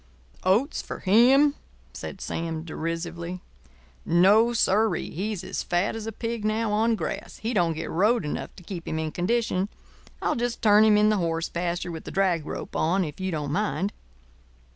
"Oats for him?" said Sam, derisively. "No, sir ee. He's as fat as a pig now on grass. He don't get rode enough to keep him in condition. I'll just turn him in the horse pasture with a drag rope on if you don't mind."